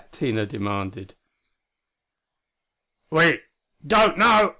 Tina demanded. "We don't know.